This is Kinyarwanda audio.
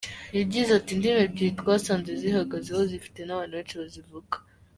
Yagize ati “Indimi ebyiri twasanze zihagazeho zifite n’abantu benshi bazivuga.